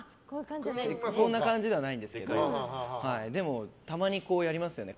こんな感じではないんですけどでも、たまにこうやりますよね。